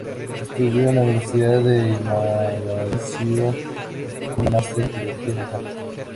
Estudió en la Universidad de Mogadiscio y un máster en biología en Harvard.